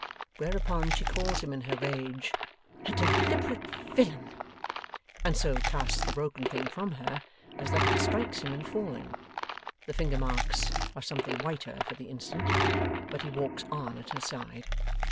Whereupon she calls him in her rage, 'A deliberate villain,' and so casts the broken thing from her as that it strikes him in falling. The finger marks are something whiter for the instant, but he walks on at her side.